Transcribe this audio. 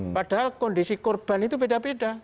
padahal kondisi korban itu beda beda